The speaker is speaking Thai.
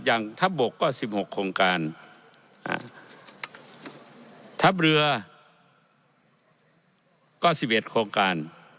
อย่างทัพบกก็สิบหกโครงการทัพเรือก็สิบเอ็ดโครงการ